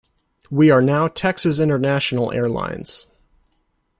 We are now Texas International Airlines.